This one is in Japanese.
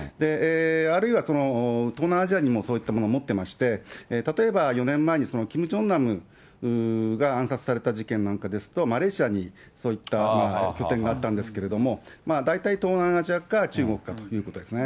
あるいは、東南アジアにもそういったものを持ってまして、例えば４年前にキム・ジョンナムが暗殺された事件なんかですと、マレーシアにそういった拠点があったんですけれども、大体、東南アジアか中国かということですね。